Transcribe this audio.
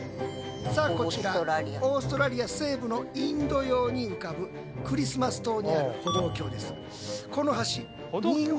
さあこちらオーストラリア西部のインド洋に浮かぶクリスマス島にある歩道橋です。